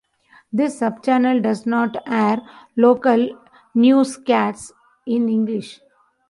This subchannel does not air local newscasts in english.